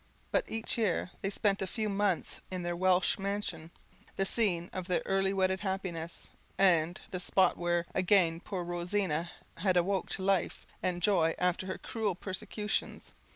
But each year they spent a few months in their Welch mansion, the scene of their early wedded happiness, and the spot where again poor Rosina had awoke to life and joy after her cruel persecutions.